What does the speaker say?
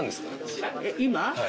今？